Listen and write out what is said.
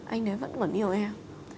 anh ấy vẫn còn yêu em